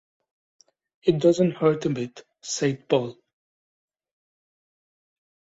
“It doesn’t hurt a bit,” said Paul.